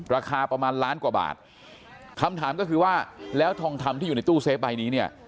ราคาประมาณล้านกว่าบาทคำถามก็คือว่าแล้วทองคำที่อยู่ในตู้เซฟใบนี้เนี่ย